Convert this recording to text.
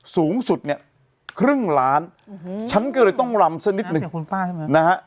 สูงสุดเนี่ยครึ่งล้านฉันก็เลยต้องรำสักนิดหนึ่งนะฮะ